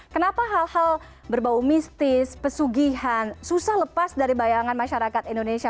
kenapa hal hal berbau mistis pesugihan susah lepas dari bayangan masyarakat indonesia